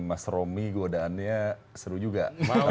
mas romi godaannya seru juga